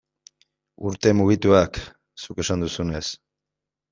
Urte mugituak, zuk esan duzunez.